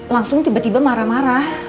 langsung tiba tiba marah marah